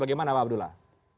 bagaimana pak abdullah